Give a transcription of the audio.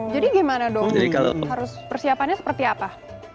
jadi bagaimana dong harus persiapannya seperti apa